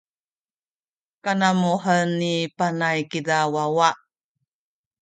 kanamuhen na Panay kiza wawa.